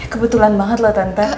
kebetulan banget loh tante